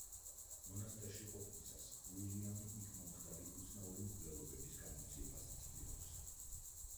მონასტერში ყოფნისას უილიამი იქ მომხდარი უცნაური მკვლელობების გამოძიებას ცდილობს.